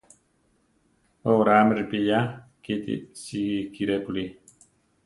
We oráame ripiya kíti sikirépuli.